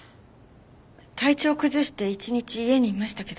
体調を崩して一日家にいましたけど。